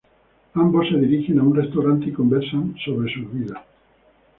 Ambos se dirigen a un restaurante y conversan sobre sus vidas.